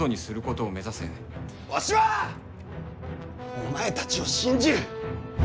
お前たちを信じる！